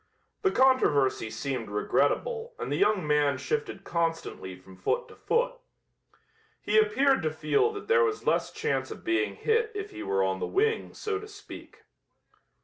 The controversy seemed regrettable and the young man shifted constantly from foot to foot. He appeared to feel that there was less chance of being hit if he were on the wing, so to speak.